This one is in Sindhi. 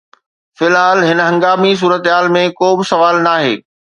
في الحال، هن هنگامي صورتحال ۾ ڪو به سوال ناهي